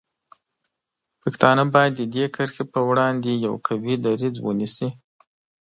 پښتانه باید د دې کرښې په وړاندې یو قوي دریځ ونیسي.